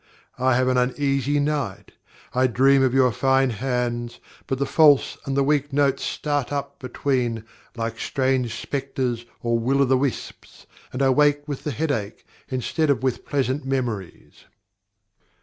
I have an uneasy night; I dream of your fine hands, but the false and the weak notes start up between like strange spectres or will o' the wisps, and I wake with the headache, instead of with pleasant memories.